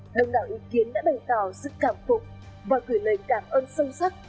đồng đảo ý kiến đã bày tỏ sự cảm phục và gửi lời cảm ơn sâu sắc